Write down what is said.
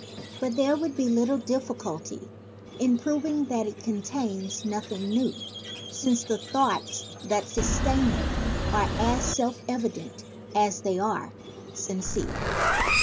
But there would be little difficulty in proving that it contains noth ing new, since the thoughts that sustain it are as self evident as they are sincere.